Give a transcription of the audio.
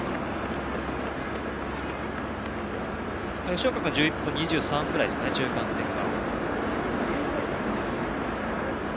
吉岡君は１１分２３ぐらいですか中間点で。